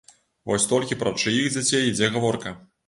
Вось толькі пра чыіх дзяцей ідзе гаворка?